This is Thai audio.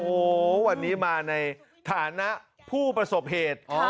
โอ้โหวันนี้มาในฐานะผู้ประสบเหตุ